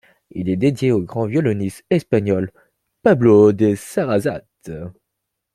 Il est dédié au grand violoniste espagnol, Pablo de Sarasate.